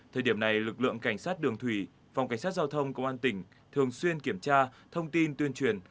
thời điểm này lực lượng cảnh sát đường thủy phòng cảnh sát giao thông công an tỉnh thường xuyên kiểm tra thông tin tuyên truyền